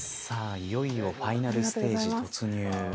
さあいよいよファイナルステージ突入。